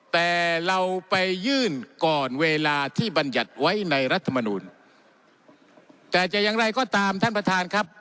แต่เราไปยื่นก่อนเวลาที่บรรยัติไว้ในรัฐมนูลแต่จะอย่างไรก็ตามท่านประธานครับ